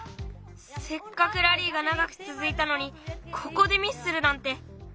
せっかくラリーがながくつづいたのにここでミスするなんて！